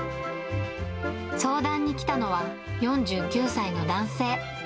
相談に来たのは４９歳の男性。